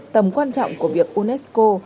tầm quan trọng của việc unesco